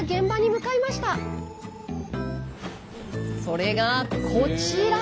それがこちら。